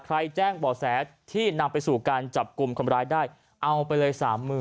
แจ้งบ่อแสที่นำไปสู่การจับกลุ่มคนร้ายได้เอาไปเลย๓๐๐๐